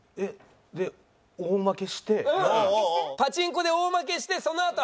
パチンコで大負けしてそのあと。